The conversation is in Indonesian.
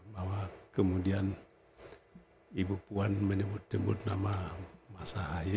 bahwa kemudian ibu puan menyebut nyebut nama mas ahy